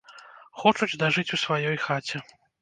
Хочуць дажыць у сваёй хаце.